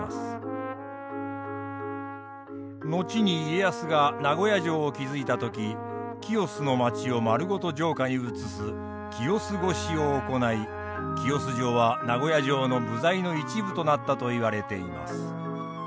後に家康が名古屋城を築いた時清須の街を丸ごと城下に移す清須越を行い清洲城は名古屋城の部材の一部となったといわれています。